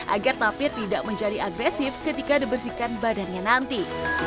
agar tapir tidak menjadi agresif ketika dibersihkan badannya nanti